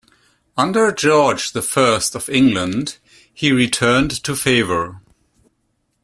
Under George the First of England, he returned to favour.